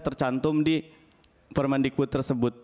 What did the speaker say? tercantum di permendikbud tersebut